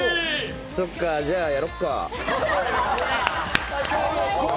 そっかあ、じゃあやろっか。